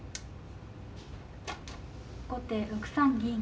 後手６三銀。